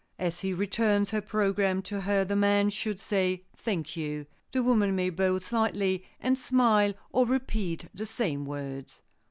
As he returns her program to her the man should say "Thank you!" The woman may bow slightly and smile or repeat the same words.